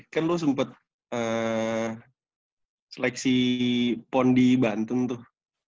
kan lo sempet seleksi pon di banteng tuh